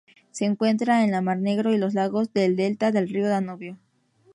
Se encuentra en la Mar Negro y los lagos del delta del río Danubio.